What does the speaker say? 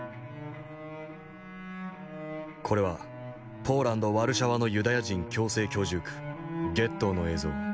これはポーランド・ワルシャワのユダヤ人強制居住区ゲットーの映像。